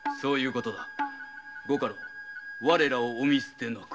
ご家老我らをお見捨てなく。